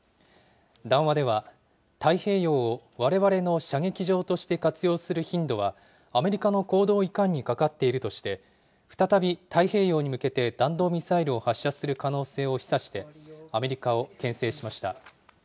談話では、太平洋をわれわれの射撃場として活用する頻度は、アメリカの行動いかんにかかっているとして、再び太平洋に向けて弾道ミサイルを発射する可能性を示唆して、アメリカをけん制しました。